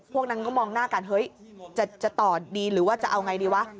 พวกนั้นก็มองหน้ากันเฮ้ยจะต่อดีหรือว่าจะเอาไงดีวะ